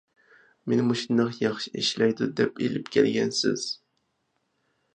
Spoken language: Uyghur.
مېنى مۇشۇنداق ياخشى ئىشلەيدۇ دەپ ئېلىپ كەلگەنسىز؟